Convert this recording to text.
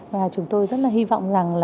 và chúng tôi rất là hy vọng rằng